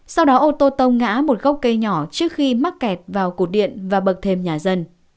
sau đó ô tô tông ngã một gốc cây nhỏ